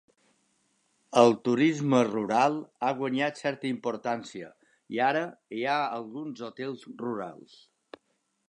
El turisme rural ha guanyat certa importància i ara hi ha alguns hotels rurals.